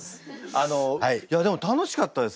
あのいやでも楽しかったです。